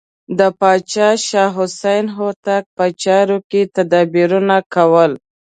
د پاچا شاه حسین هوتک په چارو کې تدبیرونه کول.